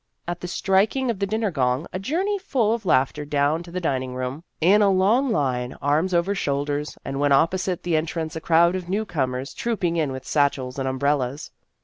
At the strik ing of the dinner gong, a journey full of laughter down to the dining room, in a long line, arms over shoulders ; and when opposite the entrance a crowd of new comers trooping in with satchels and um brellas.